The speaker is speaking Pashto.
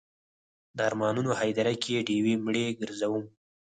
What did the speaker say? د ارمانونو هدیره کې ډیوې مړې ګرځوم